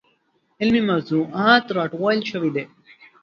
علمي موضوعات راټول شوي دي.